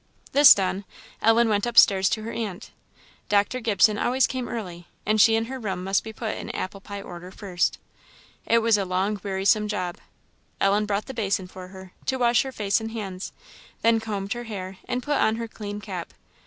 This done, Ellen went up stairs to her aunt. Dr. Gibson always came early, and she and her room must be put in apple pie order first. It was a long, wearisome job. Ellen brought the basin for her, to wash her face and hands; then combed her hair, and put on her clean cap.